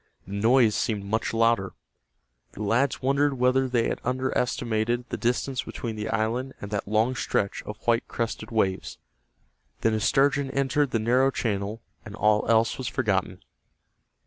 The noise seemed much louder. The lads wondered whether they had underestimated the distance between the island and that long stretch of white crested waves. Then a sturgeon entered the narrow channel, and all else was forgotten.